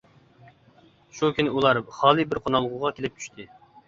شۇ كۈنى ئۇلار خالىي بىر قونالغۇغا كېلىپ چۈشتى.